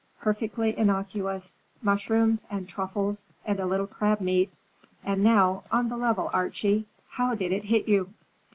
"Perfectly innocuous: mushrooms and truffles and a little crab meat. And now, on the level, Archie, how did it hit you?"